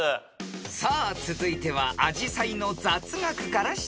［さあ続いてはアジサイの雑学から出題］